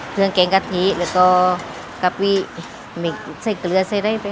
เครื่องแกงกะทิแล้วก็กะพรีใส่เกลือใส่อะไร